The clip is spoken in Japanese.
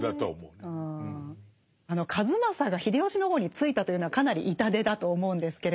数正が秀吉の方についたというのはかなり痛手だと思うんですけれど。